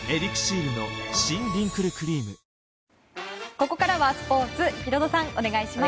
ここからはスポーツヒロドさん、お願いします。